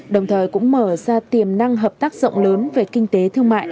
đồng thời cũng mở ra tiềm năng hợp tác rộng lớn về kinh tế thương mại